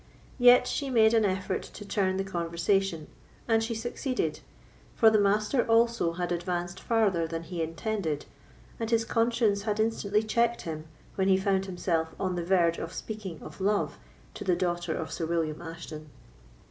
Yet she made an effort to turn the conversation, and she succeeded; for the Master also had advanced farther than he intended, and his conscience had instantly checked him when he found himself on the verge of speaking of love to the daughter of Sir William Ashton.